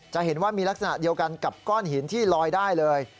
จะเห็นว่ามีลักษณะเดียวกันกับก้อนหินที่ลอยได้เลย